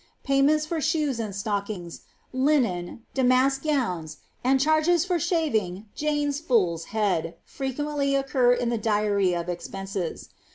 Payments for shoes and stockings, linen, damask gowns, and charges for sliaving ^^ Jane's fool's head^ fre quently occur in the diary of expenses.